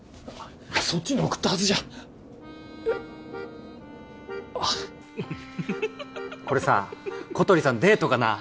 そっちに送ったはずじゃこれさ小鳥さんデートかな